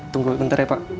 tunggu bentar ya pak